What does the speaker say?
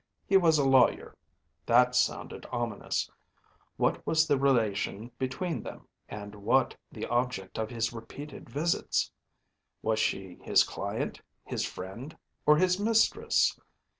He was a lawyer. That sounded ominous. What was the relation between them, and what the object of his repeated visits? Was she his client, his friend, or his mistress?